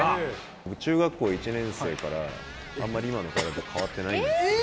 中学校１年生から、あんまり今の体と変わってないんですよね。